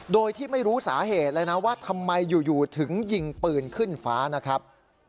โดยที่ไม่รู้สาเหตุเลยนะว่าทำไมอยู่ถึงยิงปืนขึ้นฟ้านะครับ